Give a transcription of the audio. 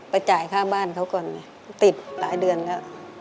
จ่ายค่าบ้านเขาก่อนไงติดหลายเดือนแล้ว